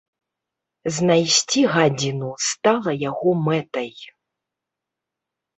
Знайсці гадзіну стала яго мэтай.